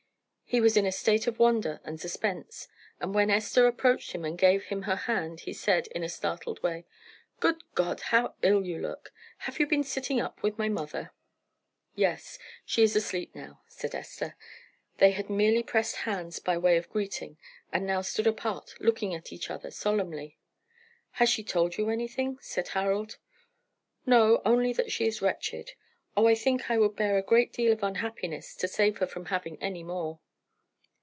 He was in a state of wonder and suspense, and when Esther approached him and gave him her hand, he said, in a startled way "Good God! how ill you look! Have you been sitting up with my mother?" "Yes. She is asleep now," said Esther. They had merely pressed hands by way of greeting, and now stood apart looking at each other solemnly. "Has she told you anything?" said Harold. "No, only that she is wretched. Oh, I think I would bear a great deal of unhappiness to save her from having any more."